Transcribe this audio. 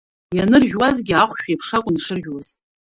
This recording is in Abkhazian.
Ианыржәуазгьы ахәшә еиԥш акәын ишыржәуаз.